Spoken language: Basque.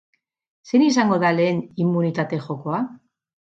Zein izango da lehen immunitate jokoa?